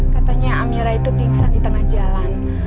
katanya amira itu pingsan di tengah jalan